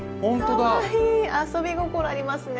かわいい遊び心ありますね。